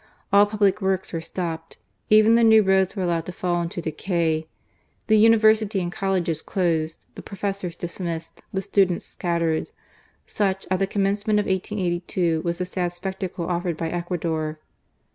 All public works were stopped. Even the new roads were allowed to fall into decay. The university and colleges closed, the professors dismissed, the students scattered— such, at the commencement of 1882, was the sad spectacle offered by Ecuador.